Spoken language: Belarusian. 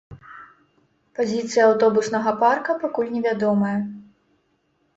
Пазіцыя аўтобуснага парка пакуль невядомая.